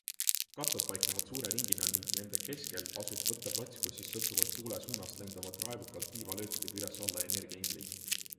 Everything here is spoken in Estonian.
Katlad paiknevad suure ringina ning nende keskel asub võtteplats, kus siis sõltuvalt tuule suunast lendavad raevukate tiivalöökidega üles ja alla energiainglid.